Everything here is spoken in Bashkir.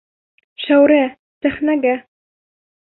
Шәүрә, сәхнәгә!